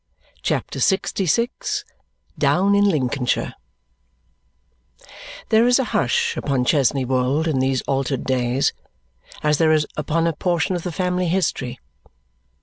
CHAPTER LXVI Down in Lincolnshire There is a hush upon Chesney Wold in these altered days, as there is upon a portion of the family history.